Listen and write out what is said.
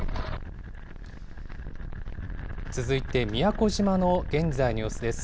続いて、宮古島の現在の様子です。